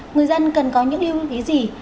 người dân cần có những yêu ý gì